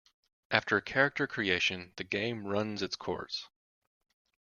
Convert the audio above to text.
After character creation the game runs its course.